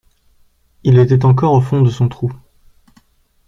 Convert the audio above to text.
Il était encore au fond de son trou.